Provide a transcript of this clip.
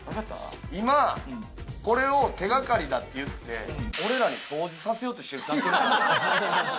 今、これを手掛かりだって言って、俺らに掃除させようとしてる。